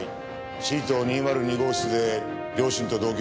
Ｃ棟２０２号室で両親と同居。